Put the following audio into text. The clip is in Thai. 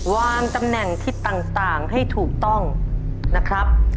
วางตำแหน่งทิศต่างให้ถูกต้องนะครับ